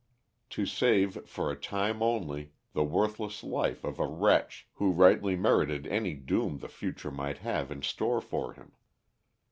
To save, for a time only, the worthless life of a wretch who rightly merited any doom the future might have in store for him.